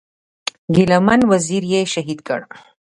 ګيله من وزير یې شهید کړ.